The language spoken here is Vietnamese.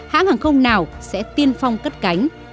hãng hàng không nào sẽ tiên phong cất cánh